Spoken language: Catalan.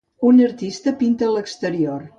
Un artista pinta a l'exterior.